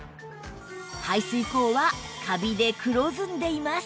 排水口はカビで黒ずんでいます